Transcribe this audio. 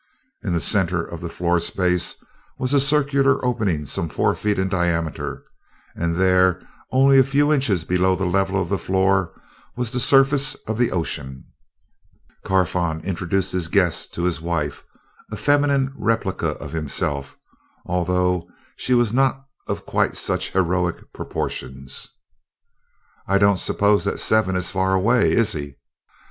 In the center of the floor space was a circular opening some four feet in diameter, and there, only a few inches below the level of the floor, was the surface of the ocean. Carfon introduced his guests to his wife a feminine replica of himself, although she was not of quite such heroic proportions. "I don't suppose that Seven is far away, is he?"